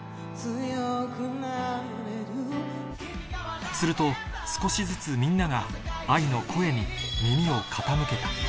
強くなれるすると少しずつみんなが ＡＩ の声に耳を傾けた